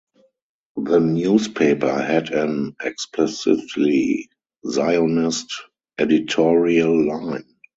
The newspaper had an explicitly Zionist editorial line.